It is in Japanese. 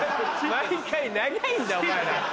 毎回長いんだお前ら。